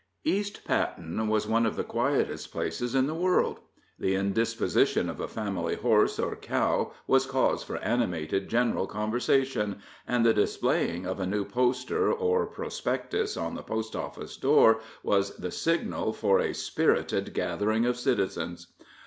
East Patten was one of the quietest places in the world. The indisposition of a family horse or cow was cause for animated general conversation, and the displaying of a new poster or prospectus on the post office door was the signal for a spirited gathering of citizens.